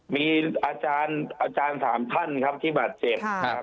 มีอาจารย์อาจารย์สามท่านครับที่บัตรเจ็บครับ